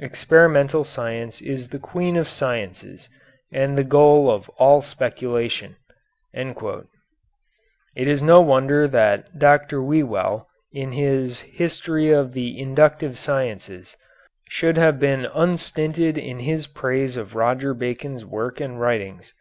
Experimental science is the queen of sciences, and the goal of all speculation." It is no wonder that Dr. Whewell, in his "History of the Inductive Sciences," should have been unstinted in his praise of Roger Bacon's work and writings.